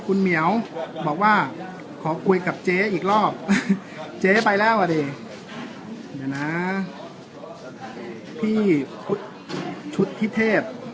คุณเหมียวบอกว่าขอคุยกับเจ๊อีกรอบเจ๊ไปแล้วอ่ะดิเดี๋ยวนะพี่ชุดทิเทพ